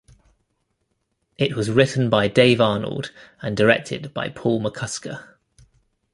It was written by Dave Arnold and directed by Paul McCusker.